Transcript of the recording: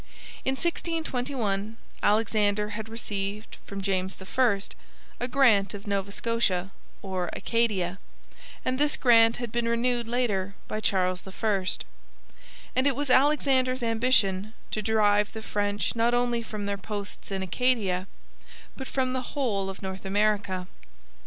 In 1621 Alexander had received from James I a grant of Nova Scotia or Acadia, and this grant had been renewed later by Charles I. And it was Alexander's ambition to drive the French not only from their posts in Acadia but from the whole of North America.